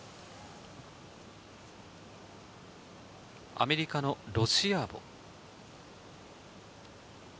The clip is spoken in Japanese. アメリカのロシアーボ。